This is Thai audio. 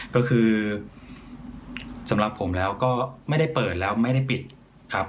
ก็คือสำหรับผมแล้วก็ไม่ได้เปิดแล้วไม่ได้ปิดครับ